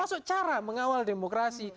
termasuk cara mengawal demokrasi